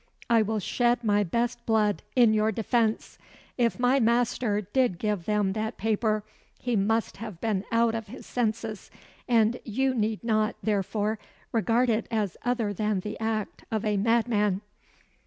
I will shed my best blood in your defence. If my master did give them that paper he must have been out of his senses, and you need not, therefore, regard it as other than the act of a madman."